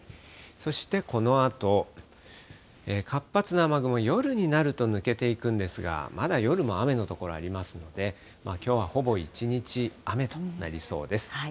そしてこのあと、活発な雨雲、夜になると抜けていくんですが、まだ夜も雨の所ありますので、きょうはほぼ一日雨となりそうです。